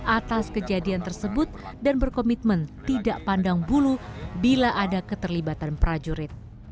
atas kejadian tersebut dan berkomitmen tidak pandang bulu bila ada keterlibatan prajurit